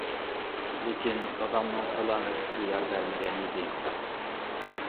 لېكىن دادامنىڭ سالامەتلىكى يار بەرمىگەن ئىدى.